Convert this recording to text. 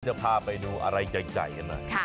จะพาไปดูอะไรใหญ่กันหน่อย